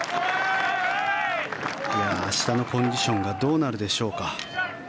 明日のコンディションがどうなるでしょうか。